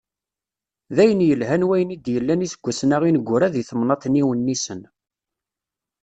D ayen yelhan wayen i d-yellan iseggasen-a ineggura di temnaḍt n Yiwennisen.